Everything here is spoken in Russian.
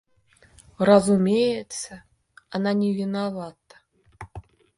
Разумеется, она не виновата.